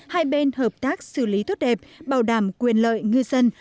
hai bên hợp tác xử lý tốt đẹp bảo đảm quyền lợi ngư dân